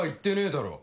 だろ